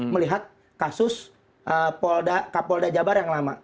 melihat kasus kapolda jabar yang lama